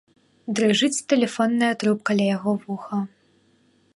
Дрыжыць тэлефонная трубка ля яго вуха.